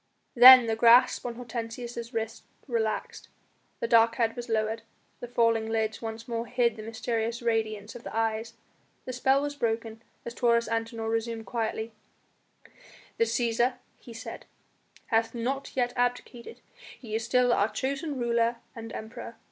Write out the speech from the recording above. Then the grasp on Hortensius' wrist relaxed, the dark head was lowered, the falling lids once more hid the mysterious radiance of the eyes. The spell was broken as Taurus Antinor resumed quietly: "The Cæsar," he said, "hath not yet abdicated; he is still our chosen ruler and Emperor.